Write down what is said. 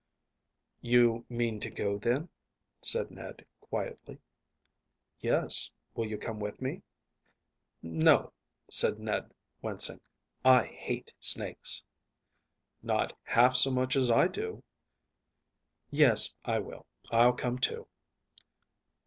"You mean to go, then?" said Ned quietly. "Yes. Will you come with me?" "No," said Ned, wincing. "I hate snakes." "Not half so much as I do." "Yes, I will. I'll come too."